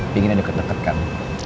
pinginnya deket deket kan